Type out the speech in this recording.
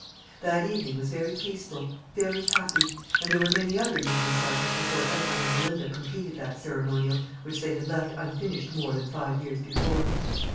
That evening was very peaceful, very happy, and there were many other evenings like it before Edward and Belinda completed that ceremonial which they had left unfinished more than five years before.